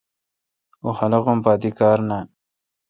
اوں خلقم پا دی کار نان۔